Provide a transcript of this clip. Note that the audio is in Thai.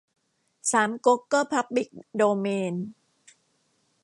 สามก๊ก ก็พับลิกโดเมน